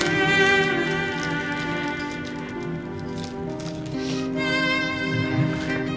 mama sudah senang